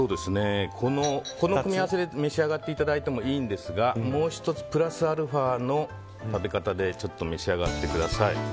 この組み合わせで召し上がっていただいてもいいんですがもう１つプラスアルファの食べ方で召し上がってください。